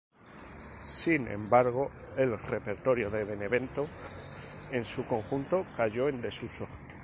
Sin embargo, el repertorio de Benevento en su conjunto cayó en desuso.